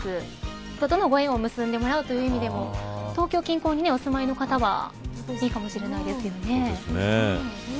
人とのご縁を結んでもらうという点でも東京近郊にお住まいの方はいいかもしれませんね。